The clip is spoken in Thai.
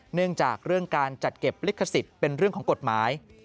เนื่องจากเรื่องการจัดเก็บลิขสิทธิ์เป็นเรื่องของกฎหมาย